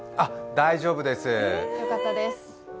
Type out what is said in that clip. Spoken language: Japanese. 大丈夫です。